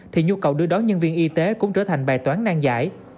thì nhu cầu đưa đón nhân viên y tế cũng trở thành bài toán nang giải